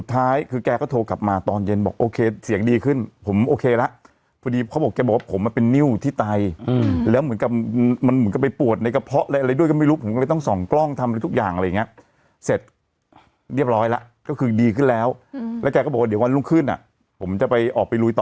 ว่าอ๋อกลับมาเนี่ยท่าแบบนี้ทำให้น้องเขาเนี่ย